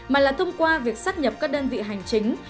mà là thông qua việc sát nhập các đơn vị hành chính